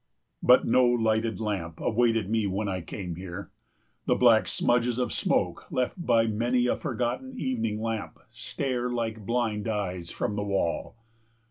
But no lighted lamp awaited me when I came here. The black smudges of smoke left by many a forgotten evening lamp stare, like blind eyes, from the wall.